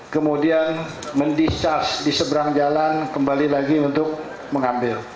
kemudian mendisharge di seberang jalan kembali lagi untuk mengambil